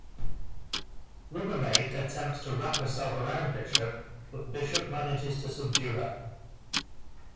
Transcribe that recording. Rubbermaid attempts to wrap herself around Bishop, but Bishop manages to subdue her.